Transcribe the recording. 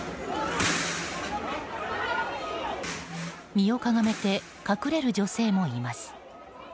身をかがめて隠れる女性もいます。